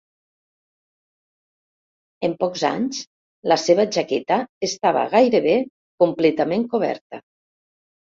En pocs anys, la seva jaqueta estava gairebé completament coberta.